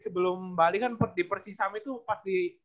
sebelum bali kan di persisam itu pasti